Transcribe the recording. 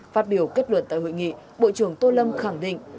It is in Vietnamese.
phát biểu kết luận tại hội nghị bộ trưởng tô lâm khẳng định